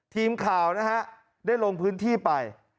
ทีมคราวทรวงพื้นที่